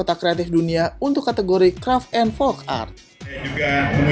karena kegiatan kegiatan ini